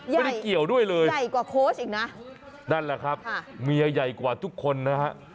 ไม่ได้เกี่ยวด้วยเลยใหญ่กว่าโค้ชอีกนะนั่นแหละครับเมียใหญ่กว่าทุกคนนะฮะ